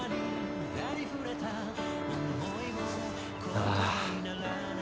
ああ！